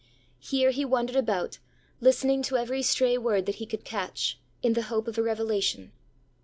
Here he wandered about, listening to every stray word that he could catch, in the hope of a revelation.